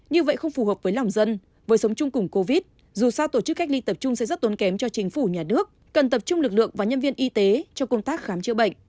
như vậy không phù hợp với lòng dân với sống chung cùng covid dù sao tổ chức cách ly tập trung sẽ rất tốn kém cho chính phủ nhà nước cần tập trung lực lượng và nhân viên y tế trong công tác khám chữa bệnh